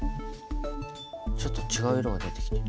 ちょっと違う色が出てきた。